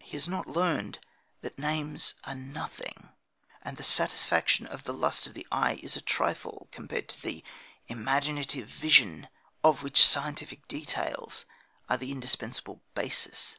He has not learned that names are nothing, and the satisfaction of the lust of the eye a trifle compared to the imaginative vision of which scientific "details" are the indispensable basis.